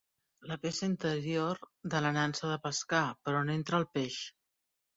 La peça interior de la nansa de pescar, per on entra el peix.